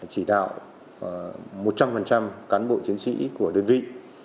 chỉ đạo một trăm linh cán bộ chiến sĩ của đơn vị